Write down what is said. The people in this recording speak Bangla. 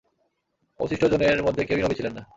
অবশিষ্টদের মধ্যে কেউই নবী ছিলেন না।